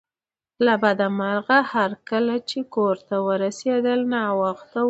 له بده مرغه کله چې کور ته ورسیدل ناوخته و